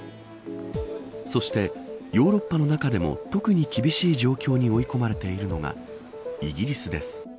そして、ヨーロッパの中でも特に厳しい状況に追い込まれているのがイギリスです。